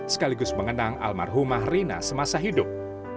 sekaligus mengenang almarhumah rina semasa hidup